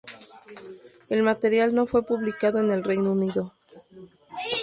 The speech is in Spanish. El material no fue publicado en el Reino Unido.